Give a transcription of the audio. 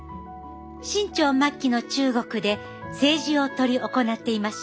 清朝末期の中国で政治を執り行っていました。